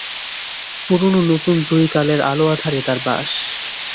পুরোনো নতুন দুই কালের আলো-আঁধারে তার বাস।